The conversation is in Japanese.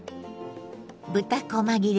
豚こま切れ